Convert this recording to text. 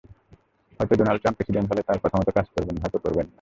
হয়তো Donald Trump president হলে তাঁর কথামতো কাজ করবেন, হয়তো করবেন না।